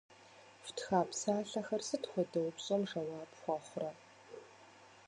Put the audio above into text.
Фтха псалъэхэр сыт хуэдэ упщӏэм жэуап хуэхъурэ?